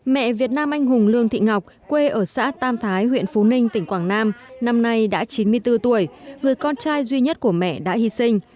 mẹ việt nam anh hùng lương thị ngọc quê ở xã tam thái huyện phú ninh tỉnh quảng nam năm nay đã chín mươi bốn tuổi người con trai duy nhất của mẹ đã hy sinh